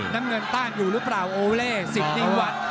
น้ำเงินต้านอยู่หรือเปล่าโอเล่สิทธิวัตร